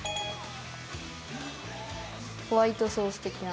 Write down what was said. ホワイトソース的な？